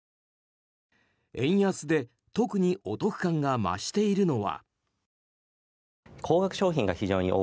円安で特にお得感が増しているのは。